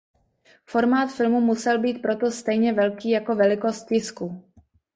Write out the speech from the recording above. Formát filmu musel být proto stejně velký jako velikost tisku.